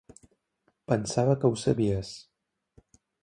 Pensava que ho sabies.